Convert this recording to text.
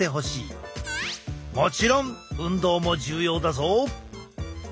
もちろん運動も重要だぞ。